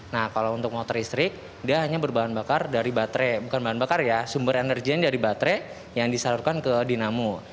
nah kalau untuk motor listrik dia hanya berbahan bakar dari baterai bukan bahan bakar ya sumber energinya dari baterai yang disalurkan ke dinamo